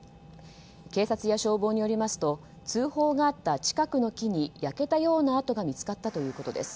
警察や消防によりますと通報があった近くの木に焼けたような跡が見つかったということです。